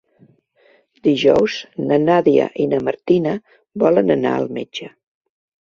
Dijous na Nàdia i na Martina volen anar al metge.